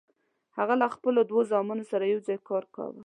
هغه له خپلو دوو زامنو سره یوځای کار کاوه.